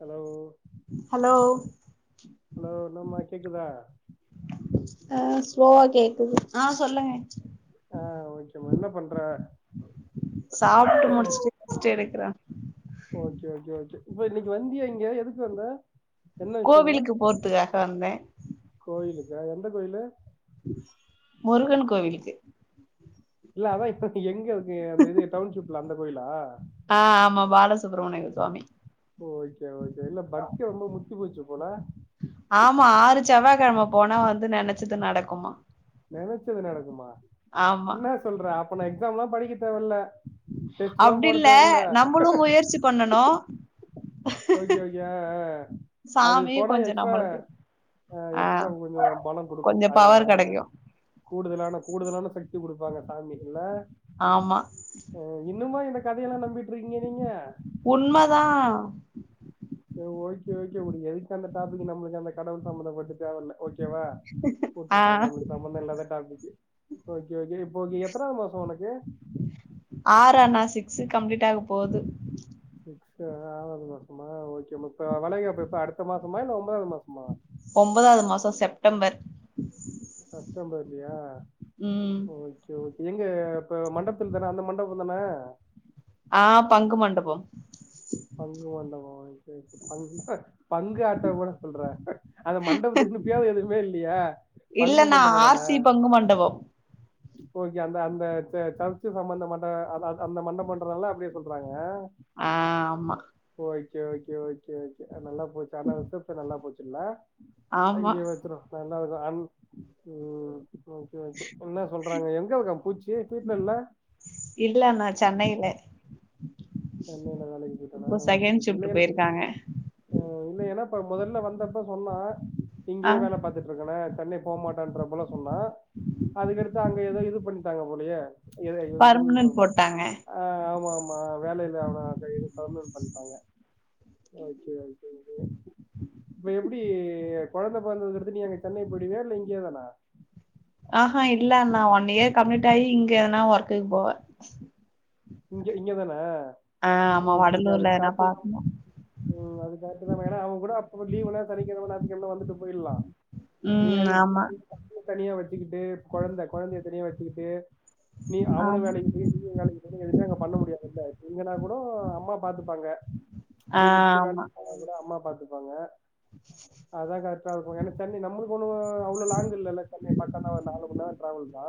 hello hello hello இன்னாம்மா கேக்குதா அ ஸ்லோவா கேக்குது அ சொல்லுங்க அ ஓகேம்மா என்ன பண்ற சாப்ட்டு முடிச்சுட்டு ரெஸ்ட்டு எடுக்ற ஓகே ஓகே ஓகே இப்ப இன்னைக்கு வந்தியா இங்க எதுக்கு வந்த என்ன விஷயமா கோவிலுக்கு போறதுக்காக வந்த கோயிலுக்கா எந்த கோயிலு முருகன் கோவிலுக்கு இல்ல அதா இப்ப எங்க இருக்கு அந்த இது டவுன்ஷிப்ல அந்த கோயிலா அ ஆமா பாலசுப்ரமணியகள் சுவாமி ஓகே ஓகே இல்ல பக்தி ரொம்ப முத்தி போச்சு போல ஆமா ஆறு செவ்வாகிழம போனா வந்து நினச்சது நடக்குமா நெனைச்சது நடக்குமா ஆமா என்ன சொல்ற அப்ப நா எக்ஸாம் எல்லா படிக்க தேவ இல்ல டெஸ்ட் எல்லா அப்டி போட தேவ இல்ல நம்மளு முயற்சி பண்ணனு ஓகே ஓகோ ஆ ஆ அது சாமியு போனா கொஞ்சோ எக்ஸ்ட்ரா நம்மளுக்கு ஆ எக்ஸ்ட்ரா கொஞ்ச பண கொடுக்கு கொஞ்சோ ஆ பவர் ஆ கெடைக்கு கூடுதலான கூடுதலான சக்தி கொடுப்பாங்க சாமி இல்ல ஆமா ஆ இன்னுமா இந்த கதையெல்லா நம்பிட்டு இருக்கீங்க நீங்க உண்ம தா ஓகே ஓகே வுடு எதுக்கு அந்த டாபிக் நம்மளுக்கு அந்த கடவுள் சம்மந்தப்பட்ட தேவயில்ல ஓகேவா ஆ கூப்டுருக்காங்க நம்முளுக்குதா ரொம்ப நல்ல டாபிக்கு ஓகே ஓகே இப்போ எத்தனாவது மாசோ உனக்கு ஆறு அண்ணா சிக்ஸ் கம்ப்ளீட் ஆக போகுது சிக்ஸ் அ ஆறாவது மாசமா ஓகே இப்ப வளைகாப்பு எப்ப அடுத்த மாசமா இல்ல ஒன்பதாவது மாசமா ஒன்பதாவது மாசோ செப்டம்பர் செப்டம்பர்லையா ம் ஓகே ஓகே எங்க இப்ப மண்டபத்துல தான அந்த மண்டபம் தான ஆ பங்கு மண்டபோ பங்கு மண்டபோ சேரி சேரி பங்குல பங்கு ஆட்ட கூட சொல்ற அந்த மண்டபத்துக்குன்னு பேரு எதுவுமே இல்லையா இல்ல பங்கு அண்ணா மண்டபம் தானே ஆர் சி பங்கு மண்டபம் ஓகே அந்த அந்த ச சர்ச்சு சம்பந்த மண்ட அ அ அந்த மண்டபன்றனால அப்டி சொல்றாங்க ஆ ஆமா ஓகே ஓகே ஓகே ஓகே நல்லா போச்சு ஆனா ரிஷப்சன் நல்லா போச்சுல்ல ஆமா அங்கே வச்சுருவோ நல்லதுதா அன் ம் ஓகே ஓகே என்ன சொல்றாங்க எங்க இருக்க பூச்சி வீட்ல இல்ல இல்ல அண்ணா சென்னையில சென்னையில தா தங்கி இருக்கானா இப்போ சேரி செகண்ட் சேரி இல்ல ஷிஃப்ட் என்ன போயிருக்காங்க ஆ இல்ல ஏன்னா இப்ப முதல்ல வந்தப்ப சொன்னா ஆ இங்கேயே வேல பாத்துட்டு இருக்கன சென்னை போகமாட்டன்ற போல சொன்னா அதுக்கடுத்து அங்க ஏதோ இது பண்ணித்தாங்க போலேயே எது பர்மனன்ட் இதுன்றீங்க போட்டாங்க ஆ ஆமா ஆமா வேல இருக் அவன கைது கர்னூல் பண்ணிடாங்க ஓகே ஓகே இப்ப எப்டி கொழந்த பொறந்ததுக்கு அடுத்து நீ எங்க சென்னை போயிடுவயா இல்ல இங்கயே தானா ஆஹா இல்ல அண்ணா ஒன் இயர் கம்ப்ளீட் ஆகி இங்க எதனா ஒர்க்குக்கு போவே இங்க இங்கதான ஆ ஆமா ஓகே ஓகே அதுவு வடலூர்ல எதனா கரெக்ட்டுதா பாக்கணு ம் அது கரெக்ட்டு தா ஏன்னா அவுங்க கூட அப்பப்ப லீவ்ல சனிக்கெழம ஞாயித்துக்கெழம வந்துட்டு போயிர்லா நீ ம் அங்க ஆமா போயிட்டு தம்பிய தனியா வச்சிக்கிட்டு கொழந்த கொழந்தைய தனியா வச்சிக்கிட்டு நீ அவனு ஆமா வேலைக்கி போய் நீயு வேலக்கி இது அங்க பண்ண முடியாதுல்ல இங்கன்னா கூட அம்மா பாத்துப்பாங்க ஆ நீ விட்டுட்டு ஆமா வேலைக்கி போலா அது கூட அம்மா பாத்துப்பாங்க அதா கரெக்டா இருக்கு ஏன்னா சென்னை நம்மளுக்கு ஒண்ணு அவ்ளோ லாங் இல்லல்ல சென்னை பக்கந்தா ஒரு நாலு மணி நேரோ அவ்ளதா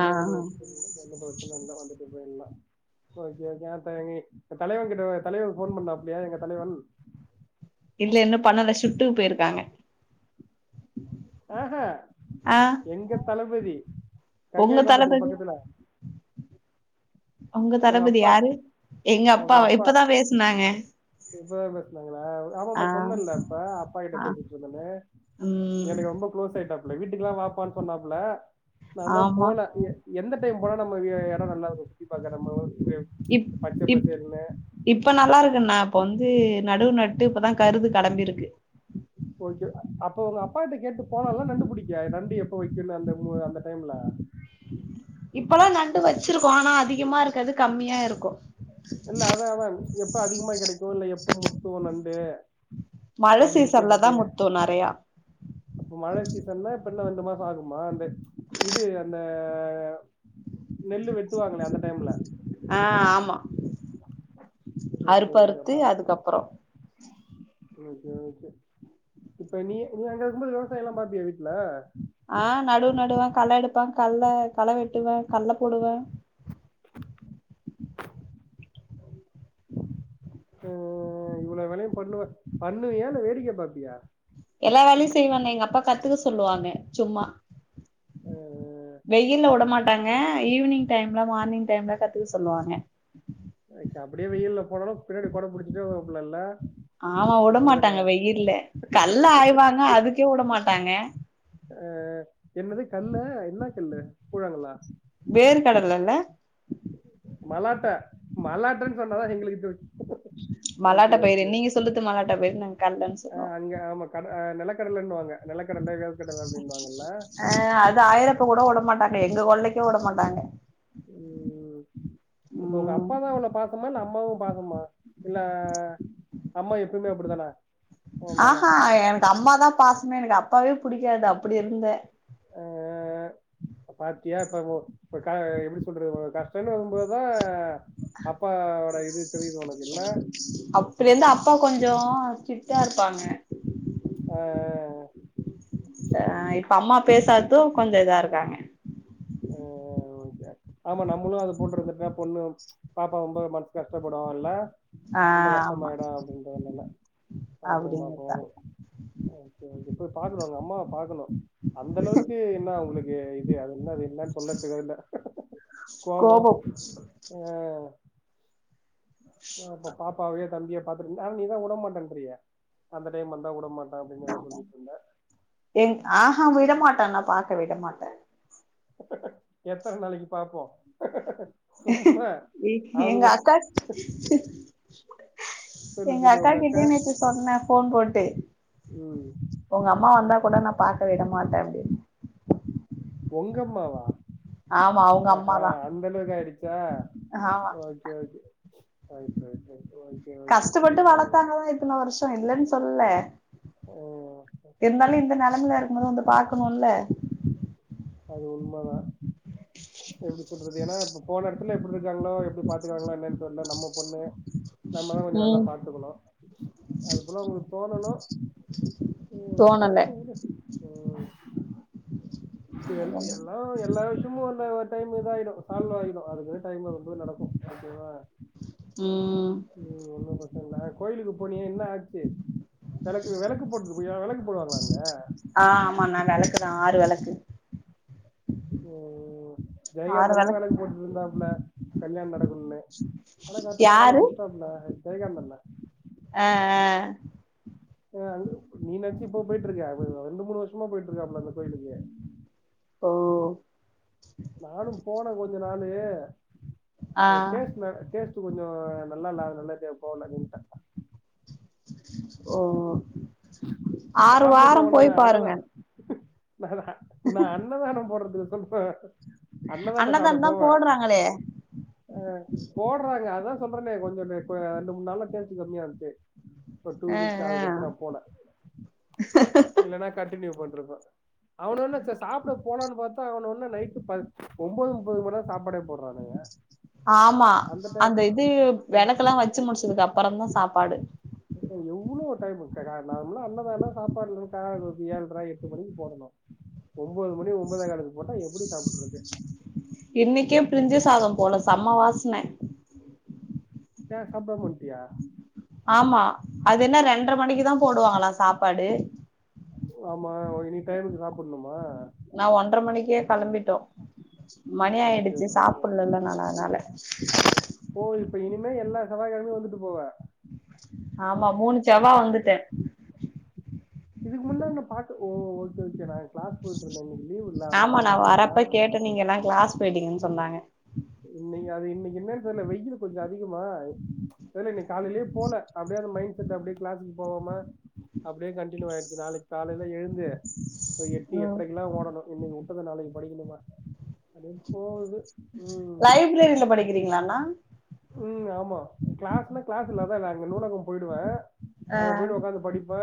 ஆ ஒண்ணு விஷயோ இல்ல எந்த பிரச்சன இல்ல வந்துட்டு போயிர்லா ஓகே ஓகே இப்ப தலைவன் கிட்ட தலைவனுக்கு ஃபோன் பண்ணாப்லயா எங்க தலைவன் இல்ல இன்னு பண்ணல சிப்டுக்கு போயிருக்காங்க ஆஹா ஆ எங்க தளபதி உங்க கங்கை கொண்டதுக்கு தளபதி பக்கத்துல உங்க தளபதி யாரு எங்க உங்க அப்பாவா அப்பா இப்பதா பேசுனாங்க இப்பதா பேசுனாங்களா ஆமா ஆமா ஆ சொன்னல்ல அப்ப அப்பா கிட்ட ஆ பேசிட்டு இருந்தேன்னு ம் எனக்கு ரொம்ப க்ளோஸ் ஆயிட்டாப்புல வீட்டுக்குல்லா வாப்பான்னு சொன்னாப்புல நா தா ஆமா போல எந்த டைம் போனா நம்ம எடோ நல்லா இருக்கு சுத்தி பாக்க நம்ம இப் பச்ச இப் பசேல்னு இப்ப நல்லா இருக்குண்ணா இப்ப வந்து நடுவு நட்டு இப்பதா கருது கெளம்பிருக்கு ஓகே அப்ப உங்க அப்பா கிட்ட கேட்டு போலால்ல நண்டுபிடிக்க நண்டு எப்ப வைக்கு அந்த அந்த டைம்ல இப்பல்லா நண்டு வச்சிருக்கு ஆனா அதிகமா இருக்காது கம்மியா இருக்கு இல்ல அதா அதா எப்ப அதிகமா கெடைக்கு இல்ல எப்ப முத்து நண்டு மழ சீசன்ல தா முத்து நெறையா மழ சீசன்னா இப்ப இன்னு ரெண்டு மாசோ ஆகுமா அந்த இது அந்த நெல்லு வெட்டுவாங்களே அந்த டைம்ல ஆ ஆமா ஓகே அருப்பறுத்து ஓகேப்பா அதுக்கப்பறோ ஓகே ஓகே இப்ப நீ நீ அங்க இருக்கும்போது விவசாயோல்லா பாப்பியா வீட்ல ஆ நடுவு நடுவே கள எடுப்பே கல்ல களை வெட்டுவே கல்ல போடுவே ம் இவ்ளோ வேலையு பண்ணுவ பண்ணுவியா இல்ல வேடிக்க பாப்பியா எல்லா வேலையு செய்வோண்ணே எங்க அப்பா கத்துக்க சொல்லுவாங்க சும்மா ஆ வெயில்ல விடமாட்டாங்க ஈவினிங் டைம்ல மார்னிங் டைம்ல கத்துக்க சொல்லுவாங்க ஓகே அப்டியே வெயில்ல போனாலு பின்னாடி கொட புடிச்சிட்டே வரூவாப்ல இல்ல ஆமா விடமாட்டாங்க வெயில்ல கல்ல ஆய்வாங்க அதுக்கே விடமாட்டாங்க ஆ என்னது கல்ல என்ன கல்லு கூழாங்கல்லா வேர்கடல இல்ல மலாட்ட மலாட்டன்னு சொன்னாதா எங்களுக்கு தெரியு மலாட்ட பயிரு நீங்க சொல்லுது மலாட்ட பயிரு நாங்க கல்லன்னு ஆ சொல்லுவோ அங்க ஆமா கட ஆ நெலக்கடலன்னுவாங்க நெலக்கடல வேர்க்கடல அப்டின்னு வாங்கல்ல ஆ அதா ஆயிர இப்ப கூட விட மாட்டாங்க எங்க கொள்ளைக்கும் விட மாட்டாங்க இப்ப உங்க அப் ம் அப்பா தா உன்ன பாக்குமா இல்ல அம்மா தா உன்ன பாக்குமா இல்ல நம்ம எப்பவுமே அப்டித்தானே ஆ எனக்கு அம்மா தா பாசமே எனக்கு அப்பாவே பிடிக்காது அப்டி இருந்தே ஆ ஆ பாத்தியா இப்ப இப்ப எப்டி சொல்றது கஷ்டம்ன்னு வரும் போது தா அப்பாவோட இது தெரியு உனக்கு இல்ல அப்பயிலேயிருந்து அப்பா கொஞ்ச ஸ்டிக்டா இருப்பாங்க ஆ ஆ ஆ இப்ப அம்மா பேசாதது கொஞ்ச இதா இருக்காங்க ஓ ஓ ஆமா நம்மளு அது போட்டு இருந்துட்டா பொண்ணு பாப்பா ரொம்ப மனசு கஷ்டப்படு இல்ல ஆ ரொம்ப ஆமா கஷ்டமாயிடும் அப்டின்றதுனாலே பாப்போ பாப்போ அப்டிங்கிறதா பாக்கணு உங்க அம்மாவ பாக்கணு அந்தளவுக்கு என்ன அவங்களுக்கு இது அது என்ன அது அதெல்லா சொல்லறதுக்கு இது இல்ல கோவம் கோபம் ஆ இப்ப பாப்பாவையோ தம்பியையோ பாத்துட்டிருந்தா ஆனா நீ தா விடமாட்டேன்றியே அந்த டைம் வந்தா விடமாட்ட அப்படின்னு தா சொல்லிட்டு இருந்தே எங் ஆஹா விடமாட்டேன் நா பார்க்க விடமாட்டேன் எத்தனை நாளைக்கு பார்ப்போம் எங்க அக்கா சொல்லு எங்க சொல்லு அக்கா உங்க கிட்டேனுச்சு சொன்னே போன் போட்டு ம் உங்க அம்மா வந்தா கூட நான் பார்க்க விட மாட்டேன் அப்படின்னு உங்கம்மாவா ஆமா அவங்க ஆ ஹ அம்மாதான் அந்த அளவுக்கு ஆயிடுச்சா ஆமா okay right right right okay okay கஷ்டப்பட்டு ம் வளர்த்தாங்கதான் இத்தனை வருஷம் இல்லைன்னு சொல்லுல ம் இருந்தாலும் இந்த நிலைமைல இருக்கும் போது வந்து பாக்கணுமில்ல அது உண்மை தான் எப்படி சொல்றது ஏன்னா இப்போ போன இடத்துல எப்படி இருக்காங்களோ எப்படி பார்த்துக்கறாங்களோ என்னென்னு தெரியலை நம்ம பொண்ணு நம்மதான் கொஞ்சம் நல்லா ம் பார்த்துக்கணும் அது போல உங்களுக்கு தோணணும் ம் தோணல கெடக்குட்டும் விடு ம் எல்லாம் எல்லாம் சும்மா அந்த ஒரு டைம் இத ஆயிடும் சால்வ் ஆயிடும் அதுக்கு டைம் வரும் போது அது போல நடக்கும் ம்ம் ம் ஒன்னும் பசம் இல்லை கோயிலுக்கு போனியே என்ன ஆச்சு விளக்கு விளக்கு போட்டு போயி விளக்கு போடுவாங்களா அங்க ஆ ஆமாண்ணா விளக்கு தான் ஆறு விளக்கு ம் ஜெயா இந்த விளக்கு போட்டுட்டு இருந்தா கல்யாணம் நடக்குணுனு ஆனா காட்டனா ஆள யாரு புடுச்சுட்டாப்புல ஜெயகாந்தண்ணன் ஆ ஆ ஆ நீ நச்சு இப்போ போயிட்டு இருக்க ரெண்டு மூணு வருஷமா போயிட்டு இருக்காப்பல அந்த கோயிலுக்கு ஓ நானும் போனேன் கொஞ்சம் நாளு ஆ அங்க டேஸ்ட் டேஸ்ட் கொஞ்சம் நல்லா இல்ல அது நல்லா போகல நின்ட்ட ஓ ஆறு சாப்பிட வாரம் போவேன் நானு போய் அன்னதா பாருங்க நா நான நா அன்னதானம் போடுறதுக்கு சொல்லுர அண்ணதான சாப்பிட அன்னதானம் தான் போவே போடுறாங்களே அ போடுறாங்க அதா சொல்றேனே கொஞ்சம் ரெண்டு மூணு நாள்ல டேஸ்ட் கம்மியா இருந்துச்சு இப்ப டூ ஆ வீக்ஸ் ஆ அதுக்குடுத்து நா போல இல்ன்னா கண்டடினியூ பண்ருப்பே அவன என்ன சாப்பிட போலான்னு பார்த்த ஒன்ன நைட்டு ப ஒன்பது முப்பது மணிதா சாப்பாடே போடுராங்க ஆமா அந்த இது விளக்கெல்லா வச்சு முடிச்சதுக்கு அப்புறம்தா சாப்பாடு எவ்வளவு டைம் நார்மலா அண்ணதான சாப்பாடுல ஏழுா ர எட்டு மணிக்கு போடணு ஒன்பது மணி ஒன்பதே கால்க்கு போட்டா எப்படி சாப்பிட்ரது இன்னைக்கே பிரிஞ்சு சாத போல சம்ம வாசன ஏ சாப்பிடாம வந்துடைய ஆமா அது என்ன ரெண்டர மணிக்கு தா போடுவாங்களா சாப்பாடு ஆமா இனி டைமுக்கு சாப்பிடணுமா நா ஒன்றர மணிக்கே கிளம்பிட்டோம் மணி ஓகே ஆயிடுச்சு ஓகே ஓகே சாப்பிடலல்ல நானு அதனால ஒ இப்ப இனிமே எல்லா செவ்வாய் கிழமை வந்துட்டு போவா ஆமா மூணு செவ்வா வந்துட்ட இதுக்கு முன்னாங்க பா்த்த ஓ ஓகே ஓகே நா கிளஸ் போயிட்டுந்த அன்னைக்கி லீவ்ல ஆமா அதனால தா பார்த்த நா வரப்ப கேட்டே நீங்க எல்லா கிளாஸ் போயிட்டீங்கன்னு சொன்னாங்க இன்ன அது இன்னைக்கு என்னன்னு தெரியல வெயில் கொஞ்ச அதிகமா தெரியல நீ காலையிலயே போல அப்டியே அந்த மைண்ட் செட் அப்டியே கிளாஸ்க்கு போவாம அப்டியே கண்டினியூ ஆயிடுச்சு நாளைக்கு காலையில எழுந்து இப்ப எட்டு ம் எட்டரைக்கெல்லா ஓடணு இன்னைக்கு விட்டத நாளைக்கு படிக்கணுமா அதுப்போகுது லைப்ரரியில படிக்கிறீங்களாண்ணா ம் ஆமா கிளாஸ்ல்லா கிளாஸ் இல்லாதா அங்க நூலக போயிடுவ ஆ அங்க போயிட்டு உக்காந்து படிப்ப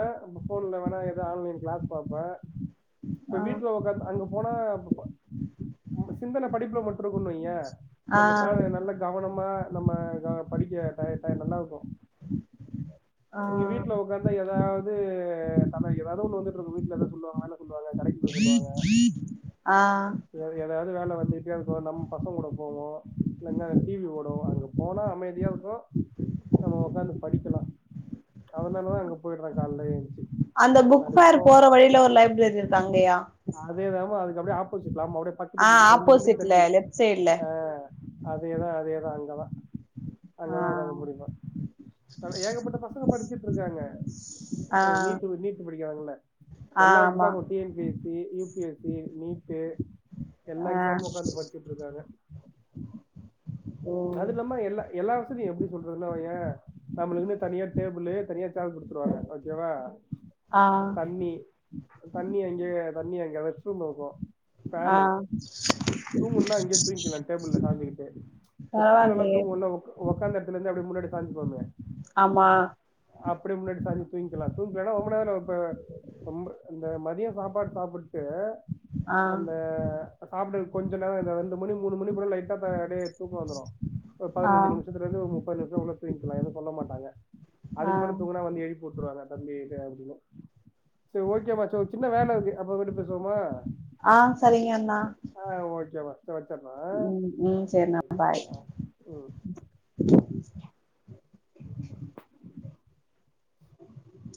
போன்ல வேணா ஏதாவது ஆன்லைன் கிளாஸ் பாப்பே இப்ப ஆ வீட்ல உக்காந்து அங்க போனா சிந்தன படிப்புல மட்டு இருக்குனு வைய ஆ கொஞ்ச கால நல்ல கவனமா நம்ம படிக்க நல்லா இருக்கு ஆ இங்க வீட் விட்ல உட்காந்தா ஏதாவது ஏதாவது ஒண்ணு வந்துட்டு இருக்கு வீட்ல ஏதாவது சொல்லுவாங்க சொல்லுவாங்க கடைக்கு போக சொல்லுவாங்க ஆ எதாவது வேல வந்துட்டேயே இருக்கு நம்ம பசங்க கூட போவோ இல்லன டிவி ஓடு அங்க போனா அமைதியா இருக்கு நம்ம உக்காந்து படிக்கலா அதனால தா அங்க போயிட்ற காலைல ஏந்திருச்சு அந்த புக் ஃபேர் போற வழியில ஒரு லைப்ரரி இருக்க அங்கயா அதே தாமா அதுக்கு அப்டியே ஆப்போசிட்லாம அப்டியே பக்கத்து ஆ பில்டி அந்த பில்டிங் ஆப்போசிட்ல தள்ளி லெஃப்ட் சைட்ல ஆ அதேதா அதேதா அங்கதா ஆ அங்கதா உட்காந்து படிப்ப ஏகப்பட்ட பசங்க படிச்சட்டு இருக்காங்க ஆ நீட் நீட் படிக்கிறாங்கள ஆ எல்லா ஆமா exam T N P C U P S C NEET எல்லா ஆ எக்ஸாமு உட்காந்து படிச்சிரு இருக்காங்க ஓ அது இல்லாம எல்லா எல்லா வசதி எப்டி சொல்றதுன்னு வையே நம்மளுக்குன்னு தனியா டேபுள்ளு தனியா சேர் குடுத்துருவாங்க ஓகேவா ஆ நீ தண்ணி அங்யே தண்ணி அங்க ரெஸ்ட் ரூம் இருக்கு ஆ பேனு தூங்குன்னா இங்யே தூய்ங்க்கிலா டேபுள்ல சாஞ்சிகிட்டு ப்ப ஸ்கூல்லல்லா பரவாயில்லையே தூங்குவோல உக்கு ஒக்காந்த எடத்துலுந்தே அப்டே முன்னாடி சாஞ்சிப்போமே ஆமா அப்டி முன்னாடி சாஞ்சி தூய்க்கிலா தூங்லன்னா ரொம்ப நேரோ இப்ப ரொம்ப இந்த மதியோ சாப்பாட் சாப்புட்டு ஆ அந்த சாப்டு கொஞ்சு நேர இந்த ரெண்டு மணி மூணு மணி போல லைட்டா பே அப்டே தூக்க வந்துரு ஒரு ஆ பதினஞ்சி நிம்ஷத்து லுந்து ஒரு முப்பது நிமிஷோ உள்ள தூய்க்கிலா எது சொல்ல மாட்டாங்க ஆ அதுக் மேல தூங்கனா வந்து எழிப் வுட் துருவாங்க தம்பி இது அப்டின்னு செ ஓகே பா ச்சோ சின்ன வேலருக்கு அப்ற விட்டு பேசுவோமா ஆ சரிங்கண்ணா ஆ ஓகே மா ச வச்சட்ற ம் ஆ சரிண்ணா சே பாய் ஆ உ